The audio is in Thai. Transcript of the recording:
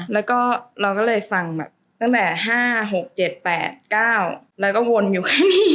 แล้วก็เราก็เลยฟังแบบตั้งแต่๕๖๗๘๙แล้วก็วนอยู่ข้างนี้